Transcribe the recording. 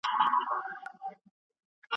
هغه کتابونه ژباړي.